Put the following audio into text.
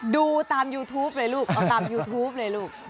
ดูตามยูทูปเลยลูกเอาตามยูทูปเลยลูก